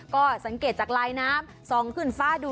ก็สังเกตจากลายน้ำส่องขึ้นฟ้าดู